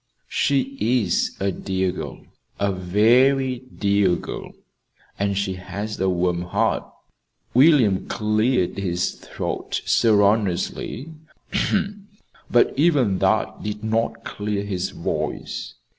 "She is a dear girl a very dear girl; and she has a warm heart." William cleared his throat sonorously, but even that did not clear his voice.